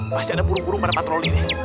pasti ada burung burung pada patroli nih